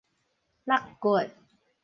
落骨